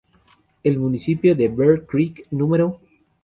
El municipio de Bear Creek No.